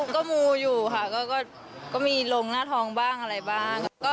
ก็มูอยู่ค่ะก็มีลงหน้าทองบ้างอะไรบ้าง